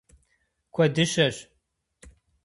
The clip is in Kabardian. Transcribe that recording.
Куэдыщэщ!